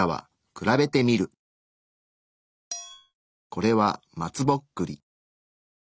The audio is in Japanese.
これは松ぼっくり。